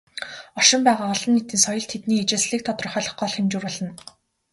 Оршин байгаа "олон нийтийн соёл" тэдний ижилслийг тодорхойлох гол хэмжүүр болно.